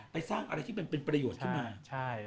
สร้างอะไรที่มันเป็นประโยชน์ขึ้นมา